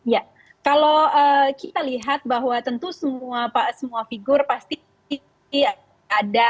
ya kalau kita lihat bahwa tentu semua figur pasti ada